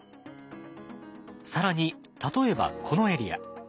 更に例えばこのエリア。